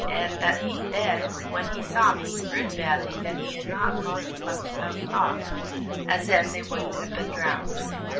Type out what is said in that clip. and that he then, when he saw me, 'rued badly that he had not locked 'em up without talk, as then they wouldn't have been drowned.